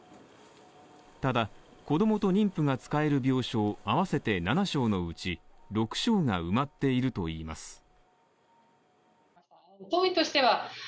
ただ、子供と妊婦が使える病床、合わせて７床のうち６床が埋まっているといいます。